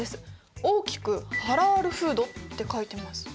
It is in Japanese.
大きく「ハラールフード」って書いてます。